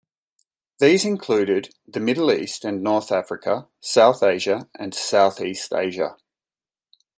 These included the Middle East and North Africa, South Asia, and Southeast Asia.